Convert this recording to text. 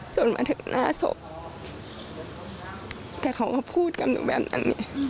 จนมาถึงหน้าศพแต่เค้าก็พูดกันอยู่แบบนั้น